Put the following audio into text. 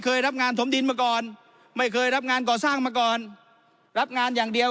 รับงานถมดินมาก่อนไม่เคยรับงานก่อสร้างมาก่อนรับงานอย่างเดียว